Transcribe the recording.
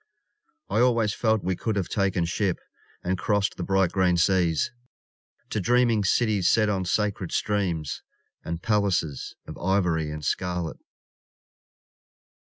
I always felt we could have taken ship And crossed the bright green seas To dreaming cities set on sacred streams And palaces Of ivory and scarlet.